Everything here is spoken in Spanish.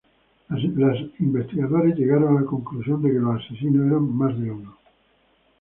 Los investigadores llegaron a la conclusión de que los asesinos eran más de uno.